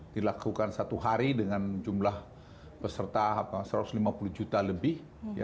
dilakukan satu hari dengan jumlah peserta satu ratus lima puluh juta lebih